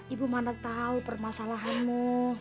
ibu mana tahu permasalahanmu